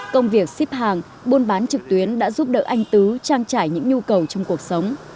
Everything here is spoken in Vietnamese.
công việc xếp hàng buôn bán trực tuyến đã giúp đỡ anh tứ trang trải những nhu cầu trong cuộc sống